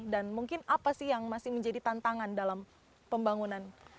dan mungkin apa sih yang masih menjadi tantangan dalam pembangunan